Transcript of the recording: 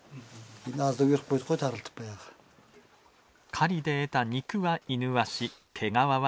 狩りで得た肉はイヌワシ毛皮は人間。